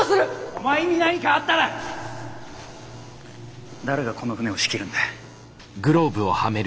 お前に何かあったら誰がこの船を仕切るんだ？